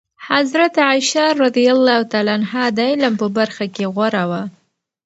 حضرت عایشه رضي الله عنها د علم په برخه کې غوره وه.